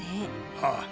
ああ。